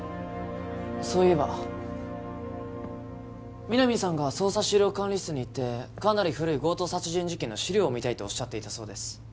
そういえば皆実さんが捜査資料管理室に行ってかなり古い強盗殺人事件の資料を見たいとおっしゃっていたそうです